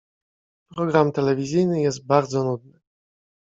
program telewizyjny jest bardzo nudny